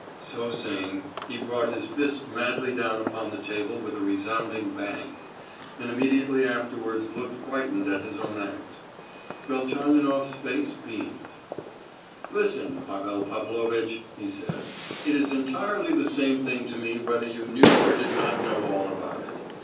So saying, he brought his fist madly down upon the table with a resounding bang, and immediately afterwards looked frightened at his own act. Velchaninoff's face beamed. "Listen, Pavel Pavlovitch," he said; "it is entirely the same thing to me whether you knew or did not know all about it.